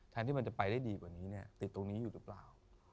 ที่มันจะไปได้ดีกว่านี้เนี่ยติดตรงนี้อยู่หรือเปล่า